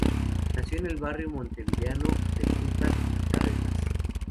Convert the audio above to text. Nació en el barrio montevideano de Punta Carretas.